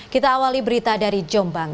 kita awali berita dari jombang